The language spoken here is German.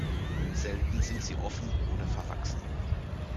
Selten sind sie offen oder verwachsen.